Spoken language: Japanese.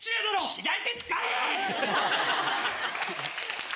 左手使え！